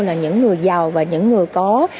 là những người giàu và những người có